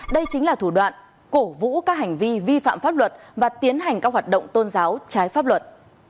đây chính là thủ đoạn cổ vũ các hành vi vi phạm pháp luật và tiến hành các hoạt động tôn giáo trái pháp luật